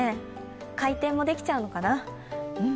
回転もできちゃうのかな。